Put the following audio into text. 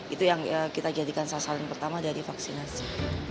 itu yang kita jadikan sasaran pertama dari vaksinasi